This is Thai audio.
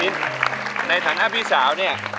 ในสถานทางองค์พี่สาว